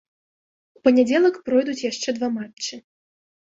У панядзелак пройдуць яшчэ два матчы.